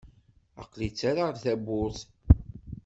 Aql-i ttarraɣ-d tawwurt.